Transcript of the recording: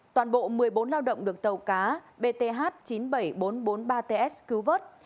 toàn bộ một mươi bốn lao động được tàu cá bth chín mươi bảy nghìn bốn trăm bốn mươi ba ts cứu vớt